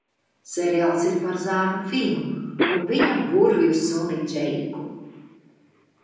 Seriāls ir par zēnu Finu un viņa burvju suni Džeiku.